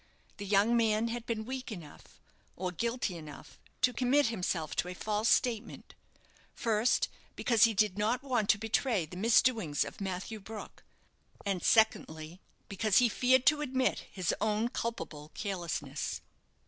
The young man had been weak enough, or guilty enough, to commit himself to a false statement; first, because he did not want to betray the misdoings of Matthew Brook, and secondly, because he feared to admit his own culpable carelessness.